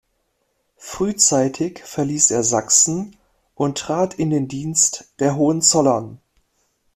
Frühzeitig verließ er Sachsen und trat in den Dienst der Hohenzollern.